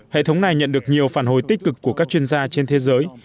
hệ thống này nhận được nhiều phản hồi tích cực của các chuyên gia trên thế giới